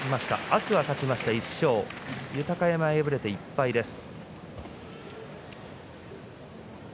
天空海は勝ちました１勝豊山、敗れて１敗です。